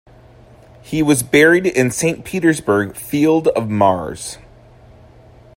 He was buried in Saint Petersburg's Field of Mars.